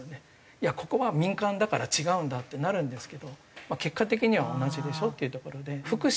いやここは民間だから違うんだってなるんですけど結果的には同じでしょっていうところで。